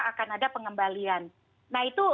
akan ada pengembalian nah itu